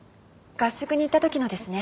合宿に行った時のですね。